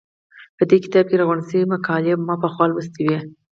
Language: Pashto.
په دې کتاب کې راغونډې شوې مقالې ما پخوا لوستې وې.